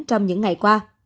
trong những ngày qua